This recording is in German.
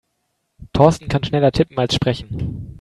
Thorsten kann schneller tippen als sprechen.